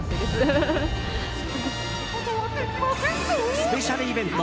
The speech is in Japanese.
スペシャルイベント